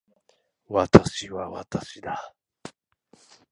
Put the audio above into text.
私は私だ